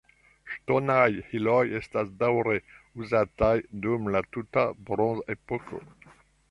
Ŝtonaj iloj estas daŭre uzataj dum la tuta bronzepoko.